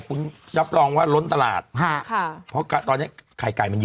คุณรับรองว่าล้นตลาดฮะค่ะเพราะตอนเนี้ยไข่ไก่มันเยอะ